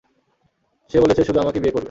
সে বলেছে শুধু আমাকেই বিয়ে করবে।